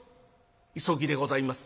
「急ぎでございます。